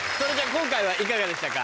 今回はいかがでしたか？